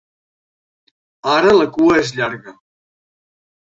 Ara la cua és llarga.